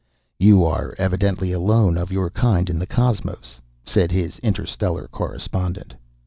"You are evidently alone of your kind in the cosmos," said his interstellar correspondent.